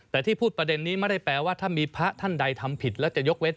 แต่ที่พูดประเด็นนี้ไม่ได้แปลว่าถ้ามีพระท่านใดทำผิดแล้วจะยกเว้น